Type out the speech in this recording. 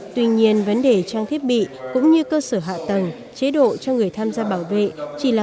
tuy nhiên vấn đề trang thiết bị cũng như cơ sở hạ tầng chế độ cho người tham gia bảo vệ chỉ là